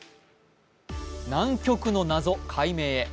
南極の謎、解明へ